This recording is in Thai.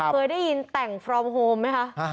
เคยได้ยินแต่งฟรอมโฮมไหมคะ